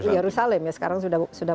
yerusalem sekarang sudah